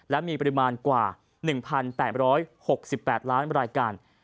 และมีปริมาณกว่า๑๘๖๘ล้านรายการ